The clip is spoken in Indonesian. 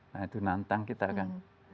nah itu nantang kita akan